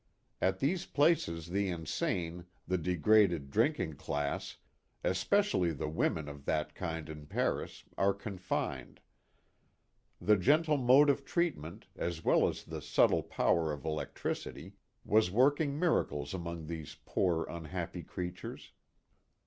At these places the insane, the degraded drinking class, especially the women of that kind in Paris are confined. The gentle mode of treatment, THE GOOD SAMARITAN. 179 as well as the subtle power of electricity, was working miracles among these poor unhappy creatures.